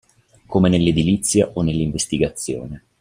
Come nell'edilizia o nell'investigazione.